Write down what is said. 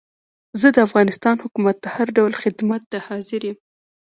زه د افغانستان حکومت ته هر ډول خدمت ته حاضر یم.